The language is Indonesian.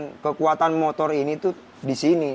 dan kekuatan motor ini tuh di sini